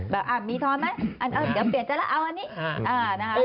แบบมีทรไหมเดี๋ยวเปลี่ยนเจ้าแล้วเอาอันนี้